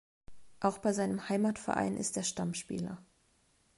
Auch bei seinem Heimatverein ist er Stammspieler.